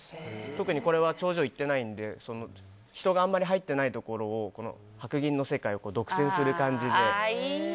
特にこれは頂上行ってないので人があんまり入ってないところを白銀の世界を独占する形で。